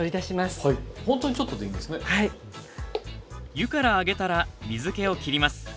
湯から上げたら水けをきります。